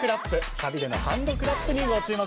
サビでのハンドクラップにご注目。